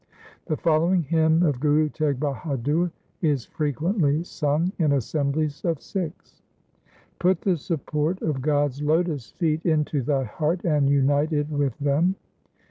3 The following hymn of Guru Teg Bahadur is frequently sung in assemblies of Sikhs :— Put the support of God's lotus feet into thy heart, and unite it with them.